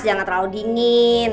jangan terlalu dingin